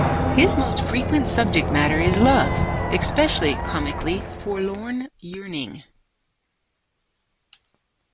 His most frequent subject matter is love, especially comically forlorn yearning.